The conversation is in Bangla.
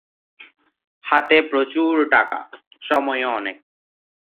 হাতে প্রচুর টাকা; সময়ও অনেক।